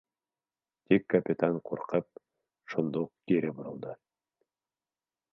Тик капитан, ҡурҡып, шунда уҡ кире боролдо.